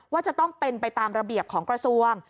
ว่าจะต้องเป็นไปตามระเบียบของกระทรวง